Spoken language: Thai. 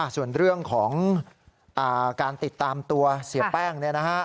ส่วนเรื่องของการติดตามตัวเสียแป้งเนี่ยนะฮะ